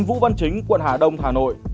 anh vũ văn tuyên tài chính quận hà đông hà nội